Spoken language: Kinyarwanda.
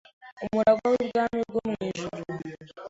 umuragwa w’ubwami bwo mu ijuru,